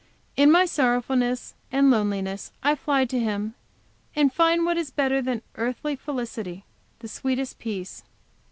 In my sorrowfulness and loneliness I fly to Him, and find, what is better than earthly felicity, the sweetest peace.